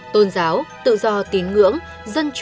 tôn giáo tự do tín ngưỡng